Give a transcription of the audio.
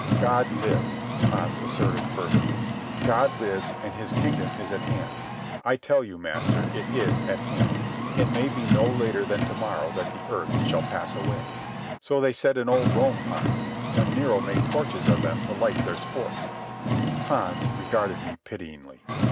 "God lives," Pons asserted fervently. "God lives, and his kingdom is at hand. I tell you, master, it is at hand. It may be no later than to morrow that the earth shall pass away." "So said they in old Rome, Pons, when Nero made torches of them to light his sports." Pons regarded me pityingly.